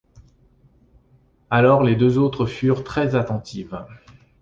Alors, les deux autres furent très-attentives.